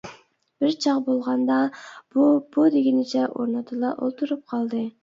بىر چاغ بولغاندا:-بۇ، بۇ. دېگىنىچە ئورنىدىلا ئولتۇرۇپ قالدى.